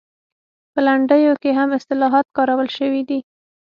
په لنډیو کې هم اصطلاحات کارول شوي دي